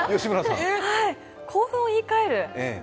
興奮を言いかえる？